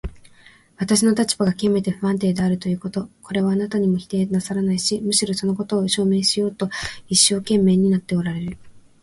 私の立場がきわめて不安定であるということ、これはあなたも否定なさらないし、むしろそのことを証明しようと一生懸命になっておられる。